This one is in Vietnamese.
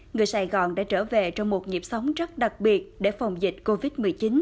người sài gòn đã trở về trong một nhịp sống rất đặc biệt để phòng dịch covid một mươi chín